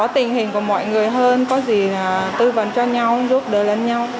tình hình của mọi người hơn có gì là tư vấn cho nhau giúp đỡ lẫn nhau